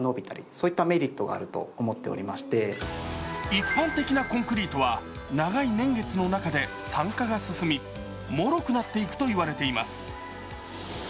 一般的なコンクリートは長い年月の中で酸化が進みもろくなっていくと言われています。